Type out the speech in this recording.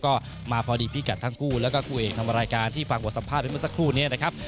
ก็มาพอดีที่พี่กันทั้งคู่และก็คู่เอกทำรายการที่ฟังบทสัมภาษณิชย์เพื่อเตรียมสักครู่นี้นะครับ